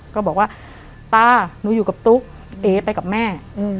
ก็บอกว่าตาหนูอยู่กับตุ๊กเอ๋ไปกับแม่